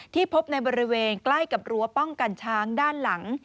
พบในบริเวณใกล้กับรั้วป้องกันช้างด้านหลัง